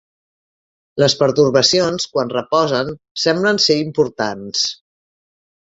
Les pertorbacions quan reposen semblen ser importants.